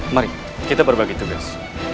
mari kita berbagi tugas